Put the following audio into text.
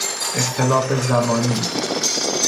اختلاف زمانی